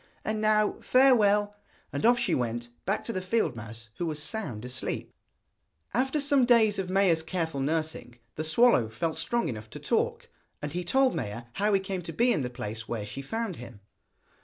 And now farewell.' And off she went, back to the field mouse, who was sound asleep. After some days of Maia's careful nursing, the swallow felt strong enough to talk, and he told Maia how he came to be in the place where she found him.